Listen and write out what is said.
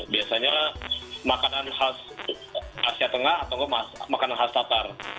biasanya makanan khas asia tengah atau makanan khas tatar